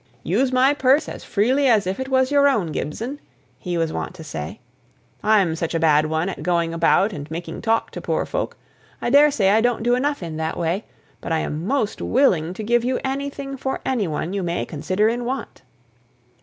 "Use my purse as freely as if it was your own, Gibson," he was wont to say. "I'm such a bad one at going about and making talk to poor folk I daresay I don't do enough in that way but I am most willing to give you anything for any one you may consider in want."